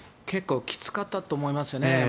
結構、きつかったと思いますね。